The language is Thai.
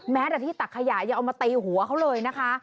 แต่ที่ตักขยะยังเอามาตีหัวเขาเลยนะคะ